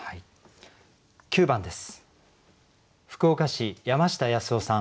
９番です。